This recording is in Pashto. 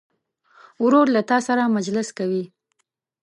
ورور له تا سره مجلس کوي.